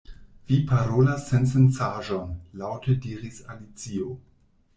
"Vi parolas sensencaĵon," laŭte diris Alicio.